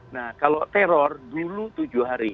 nah kalau teror dulu tujuh hari